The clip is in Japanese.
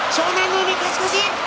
海、勝ち越し。